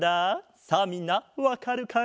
さあみんなわかるかな？